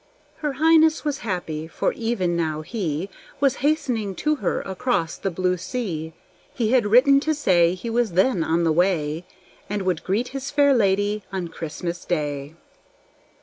Her Highness was happy, for even now he Was hastening to her across the blue sea. He had written to say he was then on the way, And would greet his fair lady on Christmas day.